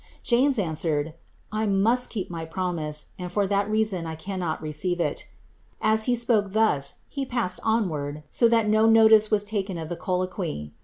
'' James answered, ^^ I must keep my promise, and for that reason I cannot receive it." As he spoke thus, he passed onward, so that no notice was taken of the colloquy.